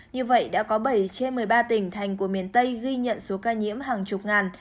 như vậy đã có bảy trên một mươi ba tỉnh thành của miền tây ghi nhận số ca nhiễm hàng chục ngàn